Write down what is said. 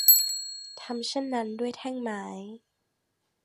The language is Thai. ทำเช่นนั้นด้วยแท่งไม้